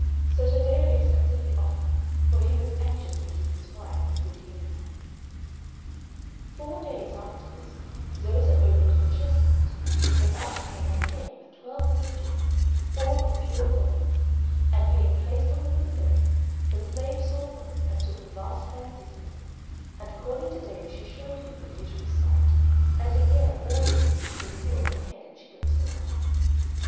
So Taddeo accepted the offer, for he was anxious to keep his wife in good humour. Four days after this, Zoza opened the chestnut, when out came a hen with twelve little chickens, all of pure gold, and, being placed on the window, the Slave saw them and took a vast fancy to them; and calling Taddeo, she showed him the beautiful sight, and again ordered him to procure the hen and chickens for her.